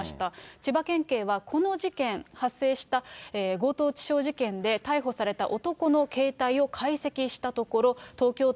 千葉県警は、この事件発生した強盗致傷事件で逮捕された男の携帯を解析したところ、東京都